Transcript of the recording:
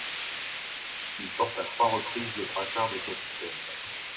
Il porte à trois reprises le brassard de capitaine.